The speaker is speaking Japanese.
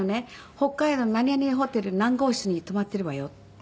「北海道の何々ホテル何号室に泊まってるわよ」。